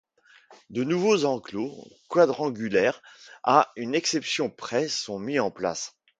De nouveaux enclos, quadrangulaires à une exception près, sont mis en place.